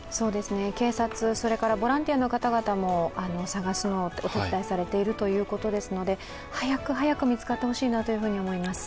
警察、ボランティアの方々も捜すのをお手伝いされているということですので、早く早く見つかってほしいなと思います。